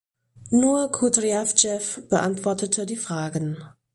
Nur Kudrjawzew beantwortete die Fragen.